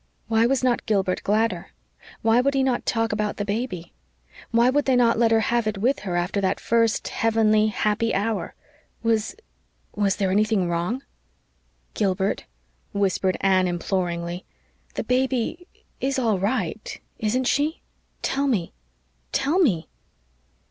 Why was not Gilbert gladder? Why would he not talk about the baby? Why would they not let her have it with her after that first heavenly happy hour? Was was there anything wrong? "Gilbert," whispered Anne imploringly, "the baby is all right isn't she? Tell me tell me."